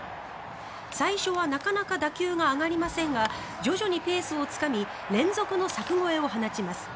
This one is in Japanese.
最初はなかなか打球が上がりませんが徐々にペースをつかみ連続の柵越えを放ちます。